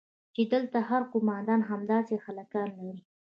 چې دلته هر قومندان همداسې هلکان لري.